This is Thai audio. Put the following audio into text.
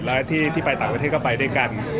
แล้วที่ไปต่างประเทศก็ไปด้วยกัน